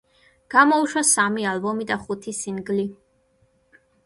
გამოუშვა სამი ალბომი და ხუთი სინგლი.